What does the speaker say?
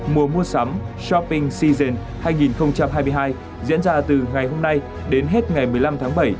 mùa mua sắm shopping seagen hai nghìn hai mươi hai diễn ra từ ngày hôm nay đến hết ngày một mươi năm tháng bảy